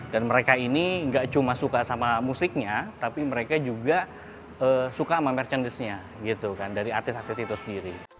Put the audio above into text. dan mereka ini gak cuma suka sama musiknya tapi mereka juga suka sama merchandisenya dari artis artis itu sendiri